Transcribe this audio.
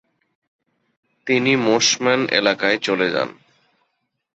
তিনি মোসম্যান এলাকায় চলে যান।